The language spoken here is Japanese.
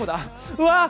うわっ！